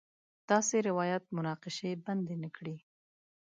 داسې روایت مناقشې بنده نه کړي.